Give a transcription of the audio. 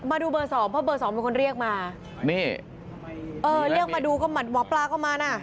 มาดูเบอร์สองเพราะเบอร์สองเป็นคนเรียกมานี่เออเรียกมาดูก็เหมือนหมอปลาก็มาน่ะ